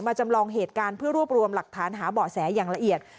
จำลองเหตุการณ์เพื่อรวบรวมหลักฐานหาเบาะแสอย่างละเอียด